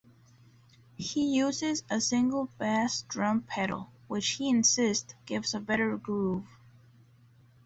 He uses a single bass drum pedal, which he insists gives a better groove.